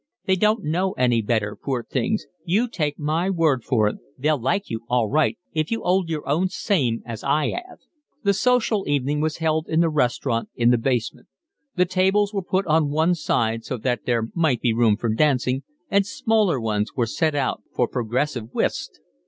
They don't know any better, poor things. You take my word for it, they'll like you all right if you 'old your own same as I 'ave." The social evening was held in the restaurant in the basement. The tables were put on one side so that there might be room for dancing, and smaller ones were set out for progressive whist.